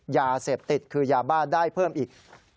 ยาเสพติดคือยาบ้าได้เพิ่มอีก